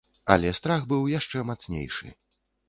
Але страх быў яшчэ мацнейшы.